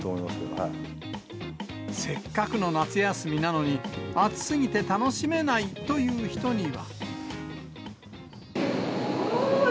せっかくの夏休みなのに、暑すぎて楽しめないという人には。